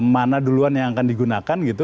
mana duluan yang akan digunakan gitu